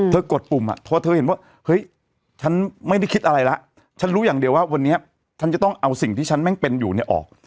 กดปุ่มอ่ะพอเธอเห็นว่าเฮ้ยฉันไม่ได้คิดอะไรแล้วฉันรู้อย่างเดียวว่าวันนี้ฉันจะต้องเอาสิ่งที่ฉันแม่งเป็นอยู่เนี่ยออก